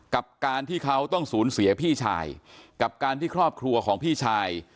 กับการที่เขาต้องสูญเสียพี่ชายกับการที่ครอบครัวของพี่ชาย